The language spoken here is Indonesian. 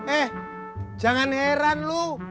eh jangan heran lo